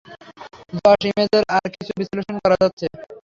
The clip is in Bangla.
জশ, ইমেজের আর কিছু বিশ্লেষণ করা যাচ্ছে?